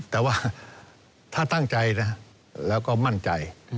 แต่ว่าถ้าตั้งใจนะแล้วก็มั่นใจ